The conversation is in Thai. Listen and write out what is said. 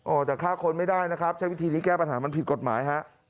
จะฆ่าคนไม่ได้นะครับใช้วิธีนี้แก้ปัญหามันผิดกฎหมายฮะ